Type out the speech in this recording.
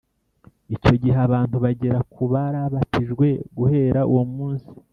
Icyo gihe abantu bagera ku barabatijwe Guhera uwo munsi